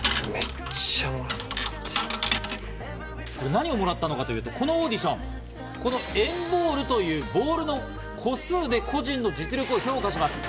何をもらったのかというとのオーディション、この＆ＢＡＬＬというボールの個数で個人の実力を評価します。